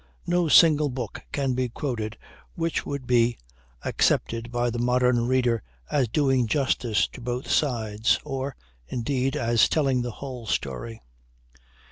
No single book can be quoted which would be accepted by the modern reader as doing justice to both sides, or, indeed, as telling the whole story.